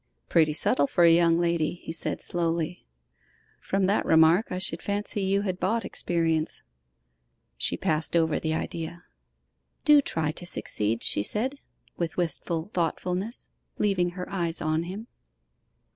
'Pretty subtle for a young lady,' he said slowly. 'From that remark I should fancy you had bought experience.' She passed over the idea. 'Do try to succeed,' she said, with wistful thoughtfulness, leaving her eyes on him.